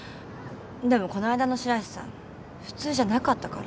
でもこないだの白石さん普通じゃなかったから。